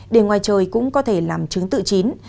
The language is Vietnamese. để ngoài trời cũng có thể làm chứng tự chín